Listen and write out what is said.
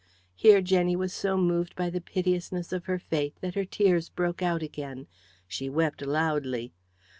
Here Jenny was so moved by the piteousness of her fate that her tears broke out again. She wept loudly.